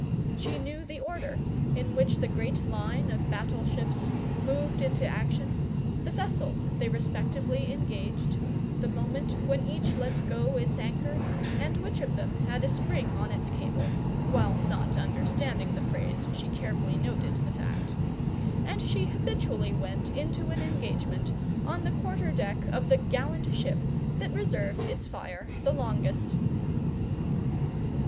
She knew the order in which the great line of battle ships moved into action, the vessels they respectively engaged, the moment when each let go its anchor, and which of them had a spring on its cable (while not understanding the phrase, she carefully noted the fact); and she habitually went into an engagement on the quarter deck of the gallant ship that reserved its fire the longest.